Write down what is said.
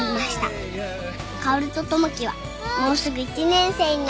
［薫と友樹はもうすぐ１年生になります］